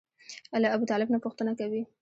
له ابوطالب نه پوښتنه کوي.